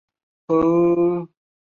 鲑鱼饭团明天当早餐